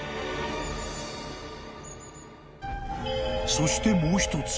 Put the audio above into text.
［そしてもう一つ